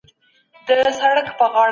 میرمنو په بازارونو کي هټۍ لرلې.